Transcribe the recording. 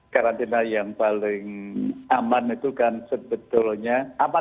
karantina yang paling aman itu kan sebetulnya